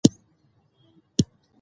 ؛ خو ناارادي يې د مسلط نارينه کلچر